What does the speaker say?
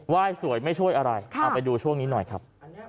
ยสวยไม่ช่วยอะไรเอาไปดูช่วงนี้หน่อยครับ